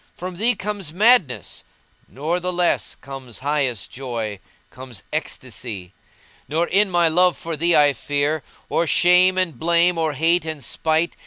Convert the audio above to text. From thee comes madness; nor the less * Comes highest joy, comes ecstasy: Nor in my love for thee I fear * Or shame and blame, or hate and spite.